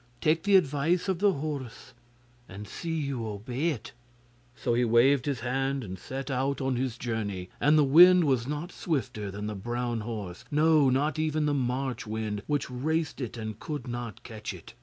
Take the advice of the horse, and see you obey it.' So he waved his hand and set out on his journey, and the wind was not swifter than the brown horse no, not even the March wind which raced it and could not catch it.